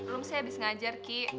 rom sih abis ngajar ki